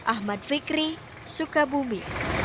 ahmad fikri sukabumi